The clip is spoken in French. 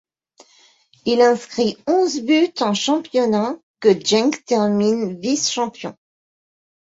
Il inscrit onze buts en championnat, que Genk termine vice-champion.